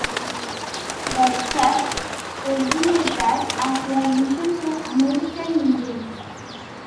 The church originated as a mission to American Indians.